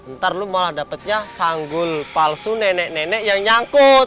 ntar lu malah dapatnya sanggul palsu nenek nenek yang nyangkut